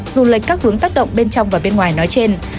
dù lệch các hướng tác động bên trong và bên ngoài nói trên